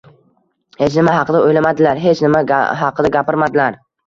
Hech nima haqida oʻylamadilar, hech nima haqida gapirmadilar.